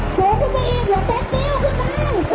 ต้องที่ในแรงกลาง